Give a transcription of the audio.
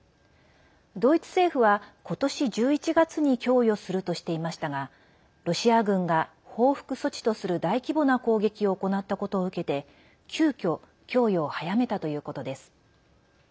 ドイツ政府は、今年１１月に供与するとしていましたがロシア軍が報復措置とする大規模な攻撃を行ったことを受けて急きょ、供与を早めたということです。